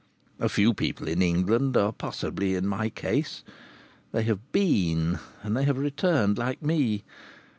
A few people in England are possibly in my case they have been, and they have returned, like me.